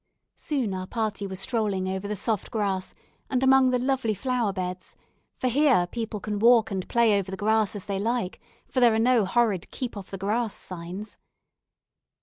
Soon our party were strolling over the soft grass and among the lovely flower beds, for here people can walk and play over the grass as they like, for there are no horrid "Keep off the Grass" signs.